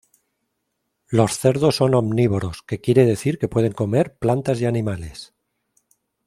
Los cerdos son omnívoros, que quiere decir que pueden comer plantas y animales.